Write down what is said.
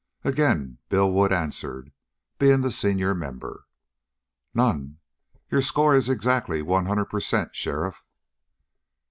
Again Bill Wood answered, being the senior member. "None. Your score is exactly one hundred percent, sheriff."